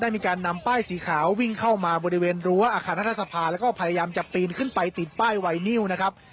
มีการนำป้ายสีขาววิ่งเข้ามาบริเวณรั้วอาคารรัฐสภาแล้วก็พยายามจะปีนขึ้นไปติดป้ายไวนิวนะครับ